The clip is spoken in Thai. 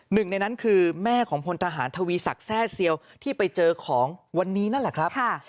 หนึ่งในนั้นคือแม่ของพลทหารทวีศักดิ์แทร่เซียวที่ไปเจอของวันนี้นั่นแหละครับ